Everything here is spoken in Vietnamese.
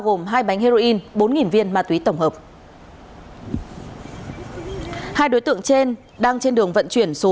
gồm hai bánh heroin bốn viên ma túy tổng hợp hai đối tượng trên đang trên đường vận chuyển số